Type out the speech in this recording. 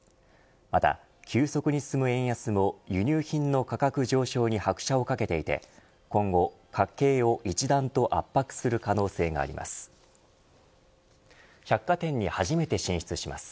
また、急速に進む円安も輸入品の価格上昇に拍車をかけていて今後、家計を一段と圧迫する可能性があります。